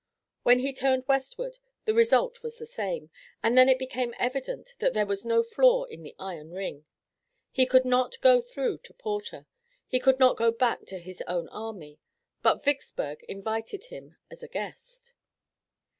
When he turned westward the result was the same, and then it became evident that there was no flaw in the iron ring. He could not go through to Porter, he could not go back to his own army, but Vicksburg invited him as a guest.